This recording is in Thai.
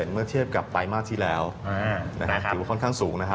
เมื่อเทียบกับไตรมาสที่แล้วถือว่าค่อนข้างสูงนะฮะ